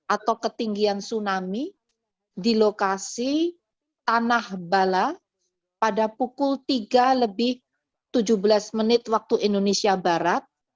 atau ketinggian tsunami di lokasi tanah bala pada pukul tiga lebih tujuh belas menit waktu indonesia barat